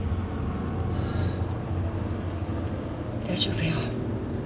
大丈夫よ。